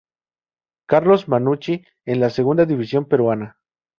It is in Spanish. Carlos Mannucci en la Segunda división peruana.